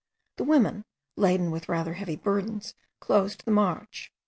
The women, laden with rather heavy burdens, closed the march.